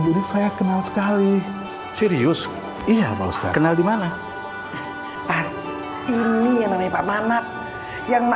ini saya kenal sekali serius iya bostad kenal dimana pak ini yang namanya pak manap yang mak